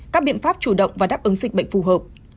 các biện pháp chủ động và đáp ứng dịch bệnh phù hợp